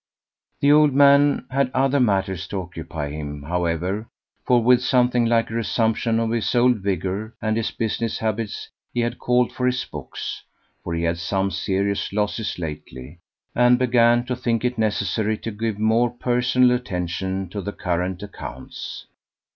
The old man had other matters to occupy him, however, for with something like a resumption of his old vigour and his business habits he had called for his books, for he had had some serious losses lately, and began to think it necessary to give more personal attention to the current accounts.